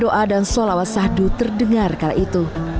doa dan solawat sahdu terdengar kala itu